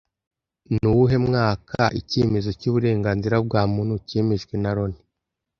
Ni uwuhe mwaka 'Icyemezo cy'uburenganzira bwa muntu' cyemejwe na Loni